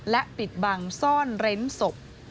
และปิดบังซ่อนเร้นศพ